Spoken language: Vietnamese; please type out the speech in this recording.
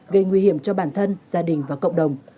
gây nguy hiểm cho bản thân gia đình và cộng đồng